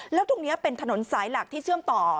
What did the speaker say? แล้วตรงนี้เป็นถนนสายหลักที่เชื่อมต่อ